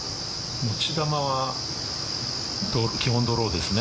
持ち球は基本ドローですね。